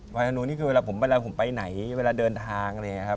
ควานธนูนี่คือเวลาผมไปไหนเวลาเดินทาง